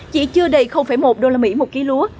chỉ chưa đầy một usd một ký lúa